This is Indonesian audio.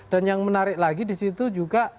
dan yang menarik lagi di situ juga